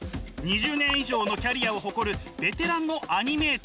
２０年以上のキャリアを誇るベテランのアニメーターです。